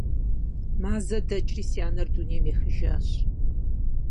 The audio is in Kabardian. Мазэ дэкӏри, си анэр дунейм ехыжащ.